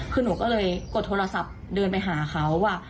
คือหนูก็เลยกดโทรศัพท์เดินไปหาเขาว่า